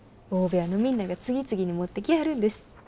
大部屋のみんなが次々に持ってきはるんです。